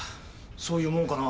そういうもんかな？